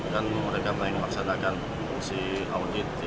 kan mereka paling memaksakan si audit